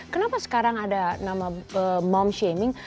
kenapa sekarang ada nama mom shaming